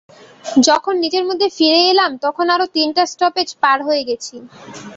যখন নিজের মধ্যে ফিরে এলাম, তখন আরও তিনটা স্টপেজ পার হয়ে গেছি।